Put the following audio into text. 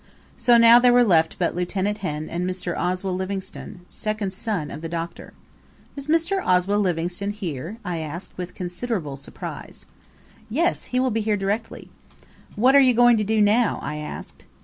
So now there were left but Lieut. Henn and Mr. Oswell Livingstone, second son of the Doctor. "Is Mr. Oswell Livingstone here?" I asked, with considerable surprise. "Yes; he will be here directly." "What are you going to do now?" I asked.